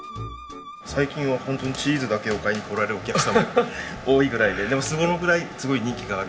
最近はホントにチーズだけを買いに来られるお客様が多いぐらいででもそのぐらいすごい人気がある。